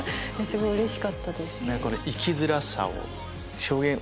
すごいうれしかったです。